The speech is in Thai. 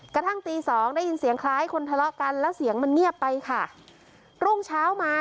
กระทั่งตีสองได้ยินเสียงคล้ายคนทะเลาะกันแล้วเสียงมันเงียบไปค่ะรุ่งเช้ามา